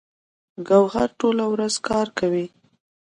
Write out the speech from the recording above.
ګوهر ټوله ورځ کار کوي